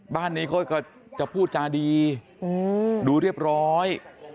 บ้านนี้เขาก็จะพูดจาดีดูเรียบร้อย